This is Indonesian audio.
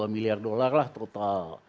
dua miliar dolar lah total